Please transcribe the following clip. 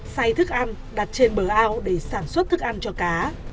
say thức ăn đặt trên bờ ao để sản xuất thức ăn cho cá